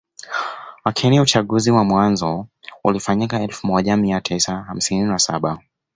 Lakini uchaguzi wa mwanzo ulifanyika elfu moja mia tisa hamsini na saba